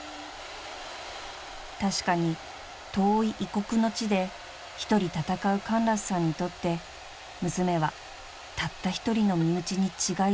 ［確かに遠い異国の地で一人戦うカンラスさんにとって娘はたった一人の身内に違いありませんが］